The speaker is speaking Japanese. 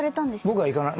僕は行かない